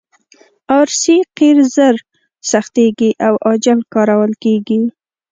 ار سي قیر ژر سختیږي او عاجل کارول کیږي